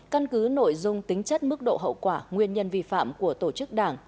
căn cứ nội dung tính chất mức độ hậu quả nguyên nhân vi phạm của tổ chức đảng